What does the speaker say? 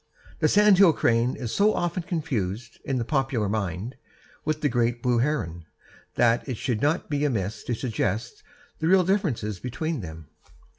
The sandhill crane is so often confused, in the popular mind, with the great blue heron, that it may not be amiss to suggest the real differences between them.